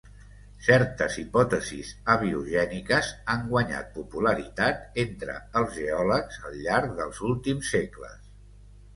Certes hipòtesis abiogèniques han guanyat popularitat entre els geòlegs al llarg dels últims segles.